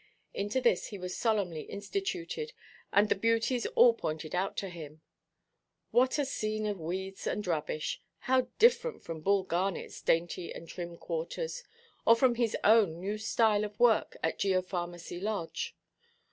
Into this he was solemnly instituted, and the beauties all pointed out to him. What a scene of weeds and rubbish! How different from Bull Garnetʼs dainty and trim quarters, or from his own new style of work at Geopharmacy Lodge!